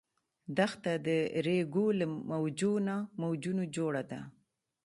دښته د ریګو له موجونو جوړه ده.